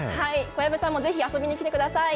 小籔さんもぜひ遊びに来てくださはい。